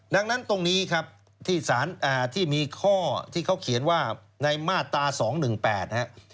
ดังนั้นตรงนี้ครับที่สารที่มีข้อที่เขาเขียนว่าในมาตรา๒๑๘นะครับ